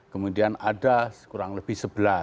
kemudian ada kurang lebih sebelas